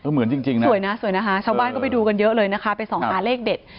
เหมือนจริงนะสวยนะสวยนะคะชาวบ้านก็ไปดูกันเยอะเลยนะคะไปส่องหาเลขเด็ด